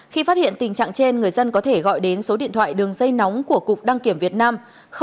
khi phát hiện tình trạng trên người dân có thể gọi đến số điện thoại đường dây nóng của cục đăng kiểm việt nam